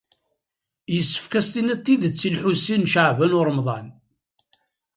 Yessefk ad as-tinid tidet i Lḥusin n Caɛban u Ṛemḍan.